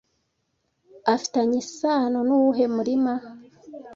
afitanye isano nuwuhe murima